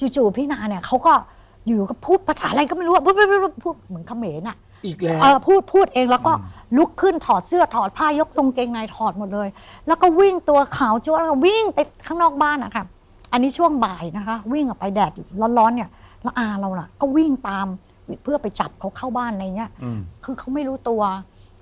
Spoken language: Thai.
จู่พี่นาเนี่ยเขาก็อยู่ก็พุฟภาษาอะไรก็ไม่รู้พุฟผม